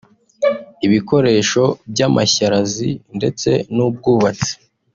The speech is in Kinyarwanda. ibikoresho by’amashyarazi ndetse n’ubwubatsi